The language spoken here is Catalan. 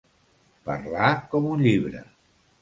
Parlar com un llibre.